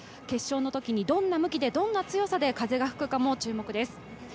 決勝のときにどんな向きで、どんな強さで風が吹くかも注目です。